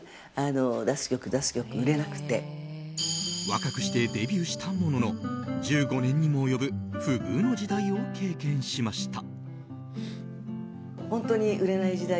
若くしてデビューしたものの１５年にも及ぶ不遇の時代を経験しました。